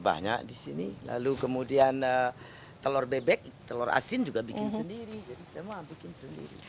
banyak di sini lalu kemudian telur bebek telur asin juga bikin sendiri jadi semua bikin sendiri